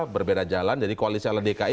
berbeda jalan jadi koalisi ala dki